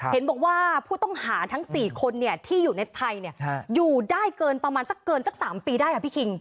เห็นบอกว่าผู้ต้องหาทั้ง๔คนที่อยู่ในไทยอยู่ได้เกินประมาณสักเกินสัก๓ปีได้พี่คิง